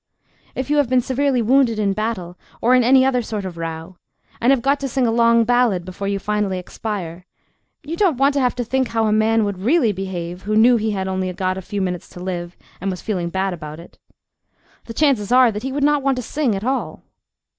If you have been severely wounded in battle, or in any other sort of row, and have got to sing a long ballad before you finally expire, you don't want to have to think how a man would really behave who knew he had only got a few minutes to live and was feeling bad about it. The chances are that he would not want to sing at all.